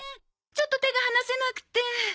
ちょっと手が離せなくて。